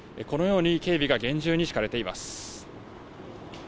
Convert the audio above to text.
このように警備が厳重に敷かれています。